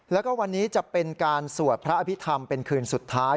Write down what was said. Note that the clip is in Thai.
แล้วก็วันนี้จะเป็นการสวดพระอภิษฐรรมเป็นคืนสุดท้าย